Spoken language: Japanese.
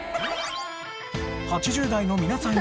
８０代の皆さん